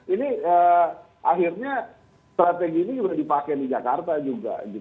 ini akhirnya strategi ini juga dipakai di jakarta juga